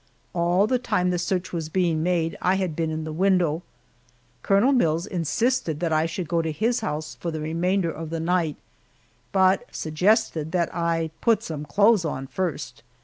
All the time the search was being made I had been in the window. Colonel Mills insisted that I should go to his house for the remainder of the night, but suggested that I put some clothes on first!